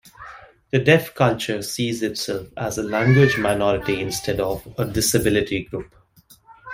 The deaf culture sees itself as a language minority instead of a disability group.